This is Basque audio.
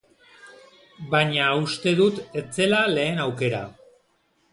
Baina uste dut ez zela lehen aukera.